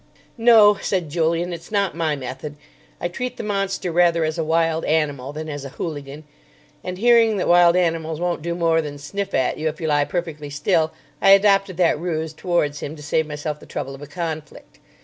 "No," said Julian; "it's not my method. I treat the monster rather as a wild animal than as a hooligan; and hearing that wild animals won't do more than sniff at you if you lie perfectly still, I adopted that ruse towards him to save myself the trouble of a conflict.